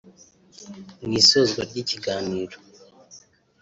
Mu isozwa ry’ikiganiro